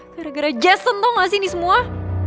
gara gara jason tuh gak sih ini semua